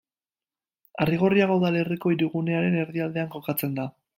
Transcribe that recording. Arrigorriaga udalerriko hirigunearen erdialdean kokatzen da.